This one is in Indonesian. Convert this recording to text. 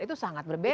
itu sangat berbeda